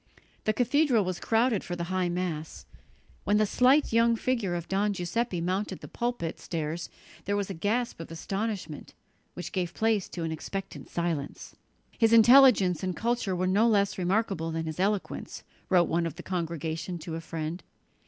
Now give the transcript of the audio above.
The cathedral was crowded for the high Mass. When the slight young figure of Don Giuseppe mounted the pulpit stairs there was a gasp of astonishment, which gave place to an expectant silence. "His intelligence and culture were no less remarkable than his eloquence," wrote one of the congregation to a friend.